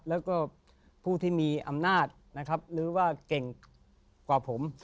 แล้วก็ผู้ที่มีอำนาจนะครับหรือว่าเก่งกว่าผม